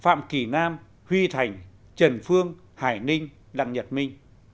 phạm văn kỳ nam huy thành trần phương hải ninh đăng nhật minh